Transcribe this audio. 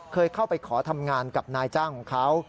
เคยเข้าไปขอทำงานกับนายจ้างของเขา